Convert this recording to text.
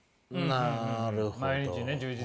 なるほど。